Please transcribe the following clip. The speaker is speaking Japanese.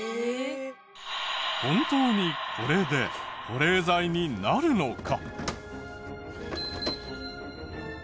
本当にこれで保冷剤になるのか？